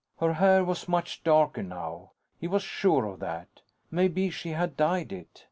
Her hair was much darker now; he was sure of that. Maybe she had dyed it.